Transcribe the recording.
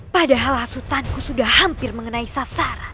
padahal hasutanku sudah hampir mengenai sasaran